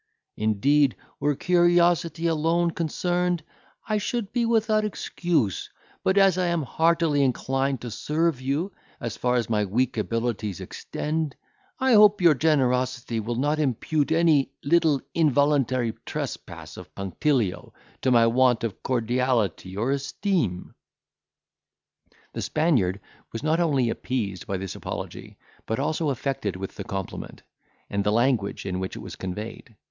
Indeed, were curiosity alone concerned, I should be without excuse; but as I am heartily inclined to serve you, as far as my weak abilities extend, I hope your generosity will not impute any little involuntary trespass of punctilio to my want of cordiality or esteem." The Spaniard was not only appeased by this apology, but also affected with the compliment, and the language in which it was conveyed.